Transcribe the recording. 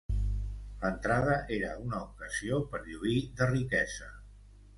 L'entrada era una ocasió per lluir de riquesa.